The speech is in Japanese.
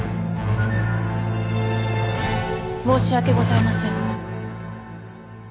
申し訳ございません。